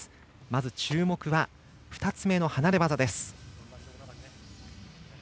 まず注目は２つ目の離れ技です。